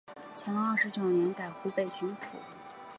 乾隆二十九年改湖北巡抚。